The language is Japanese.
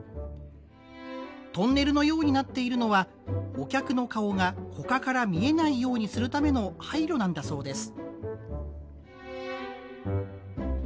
トンネルのようになっているのはお客の顔が他から見えないようにするための配慮なんだそうです。